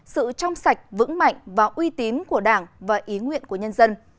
sự trong sạch vững mạnh và uy tín của đảng và ý nguyện của nhân dân